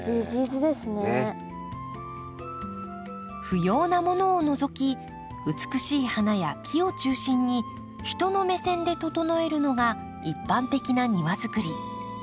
不要なものを除き美しい花や木を中心に人の目線で整えるのが一般的な庭作り。